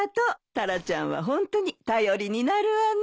タラちゃんはホントに頼りになるわね。